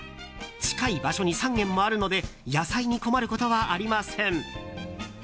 近い場所に３軒もあるので野菜に困ることはありません。